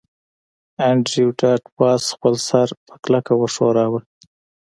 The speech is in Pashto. انډریو ډاټ باس خپل سر په کلکه وښوراوه